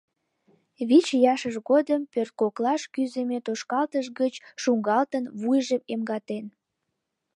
— Вич ияшыж годым пӧрткоклаш кӱзымӧ тошкалтыш гыч шуҥгалтын, вуйжым эмгатен.